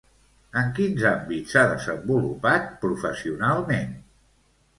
En quins àmbits s'ha desenvolupat professionalment?